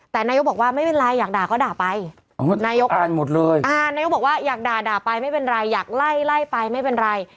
แต่นายกบอกว่าไม่เป็นไรอยากด่าก็ด่าไปนายกอ่านหมดเลยอ่านายกบอกว่าอยากด่าด่าไปไม่เป็นไรอยากไล่ไล่ไปไม่เป็นไร